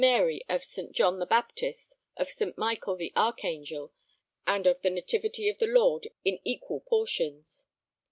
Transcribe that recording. Mary of St. John the Baptist of St. Michael the Archangel and of the Nativity of the Lord in equal portions.